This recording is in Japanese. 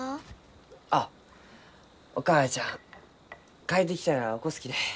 あっお母ちゃん帰ってきたら起こすきね。